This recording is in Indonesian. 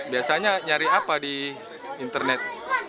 biasanya nyari apa di internet